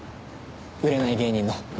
売れない芸人の。